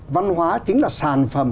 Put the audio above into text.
văn hóa chính là sản phẩm